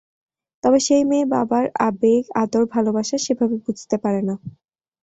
তবে সেই মেয়ে বাবার আবেগ, আদর, ভালোবাসা সেভাবে বুঝতে পারে না।